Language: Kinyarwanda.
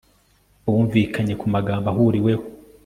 bumvikanye ku magambo ahuriweho